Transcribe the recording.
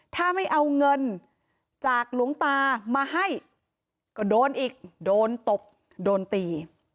ถ้าไม่เอาเงินจากหลวงตามาให้ก็โดนอีกโดนตบโดนตี